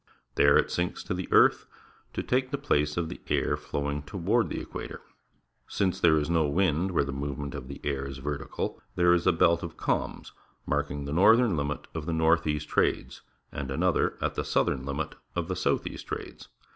There it sinks to the earth to take the place of the air flowing toward the equator. Since there is no wind where the movement of the air is vertical, there is a belt of calms marking the northern limit of the north east trades, and another at the southern limit of the south east trades.